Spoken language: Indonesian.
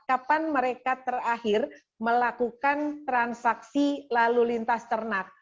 kapan mereka terakhir melakukan transaksi lalu lintas ternak